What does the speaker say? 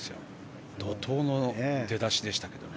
怒涛の出だしでしたけどね。